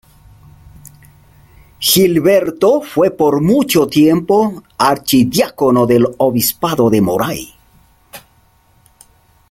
Gilberto fue por mucho tiempo archidiácono del obispado de Moray.